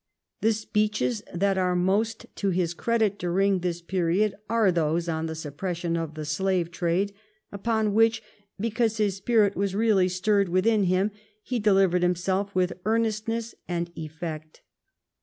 The speeches that are most to his credit during this period are those on the suppression of the slave trade, upon which, because his spirit was really stirred within him, he delivered himself with earnestness and effect.